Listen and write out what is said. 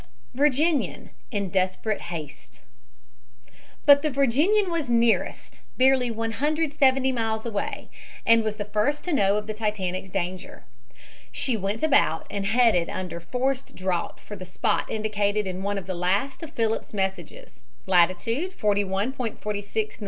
VIRGINIAN IN DESPERATE HASTE But the Virginian was nearest, barely 170 miles away, and was the first to know of the Titanic's danger. She went about and headed under forced draught for the spot indicated in one of the last of Phillips' messages latitude 41.46 N.